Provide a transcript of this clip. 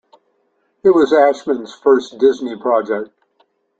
It was Ashman's first Disney project.